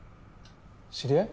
知り合い？